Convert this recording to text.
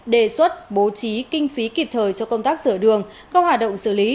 đề xuất bố trí kinh phí kịp thời cho công tác sửa đường các hoạt động xử lý